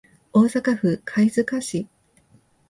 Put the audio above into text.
大阪府貝塚市